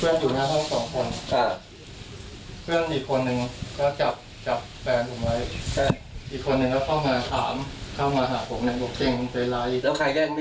เพื่อนอยู่ในห้องสองคนอ่าเพื่อนอีกคนนึงก็จับจับแฟนผมไว้